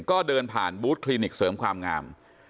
ก็เดินผ่านบูธคลินิกเสริมความงาม